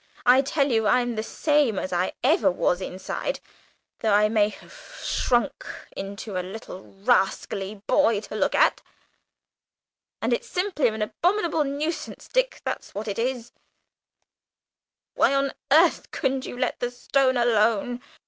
I tell you I'm the same as ever inside, though I may have shrunk into a little rascally boy to look at. And it's simply an abominable nuisance, Dick, that's what it is! Why on earth couldn't you let the stone alone?